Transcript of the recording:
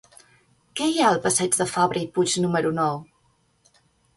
Què hi ha al passeig de Fabra i Puig número nou?